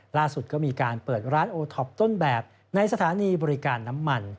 ล่าสุดก็มีการเปิดร้านโอท็อปต้นแบบในสถานีบริการน้ำมัน